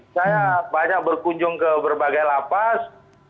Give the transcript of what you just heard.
saya banyak berkunjung ke berbagai lapas